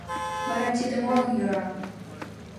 Вара тиде молан йӧра?!